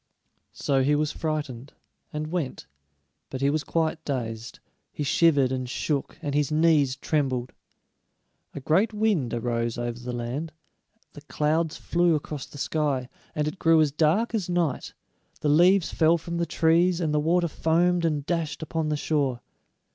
So he was frightened, and went; but he was quite dazed. He shivered and shook, and his knees trembled. A great wind arose over the land, the clouds flew across the sky, and it grew as dark as night; the leaves fell from the trees, and the water foamed and dashed upon the shore.